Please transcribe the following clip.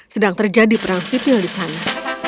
sedang terjadi perang sipil di sana